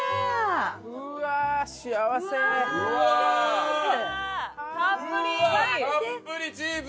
うわあたっぷりチーズ！